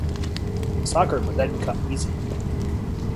Soccer would then become easy.